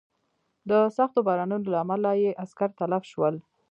د سختو بارانونو له امله یې عسکر تلف شول.